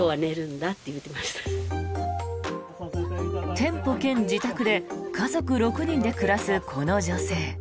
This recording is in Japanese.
店舗兼自宅で家族６人で暮らすこの女性。